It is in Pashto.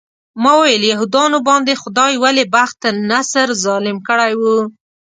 ما وویل یهودانو باندې خدای ولې بخت النصر ظالم کړی و.